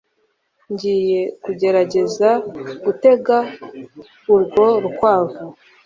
Ngiye kugerageza gutega urwo rukwavu